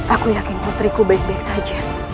aku yakin putriku baik baik saja